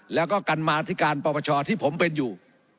แล้วก็กันมาที่การประวัติศาสตร์ที่ผมเป็นอยู่